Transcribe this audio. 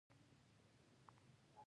سندره د امید څراغ دی